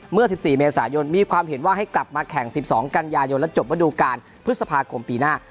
เมื่อ๑๔เมษายนมีความเห็นว่าให้กลับมาแข่ง๑๒กันยายนและจบระดูการพฤษภาคมปีหน้า